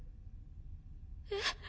えっ？